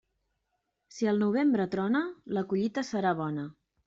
Si el novembre trona, la collita serà bona.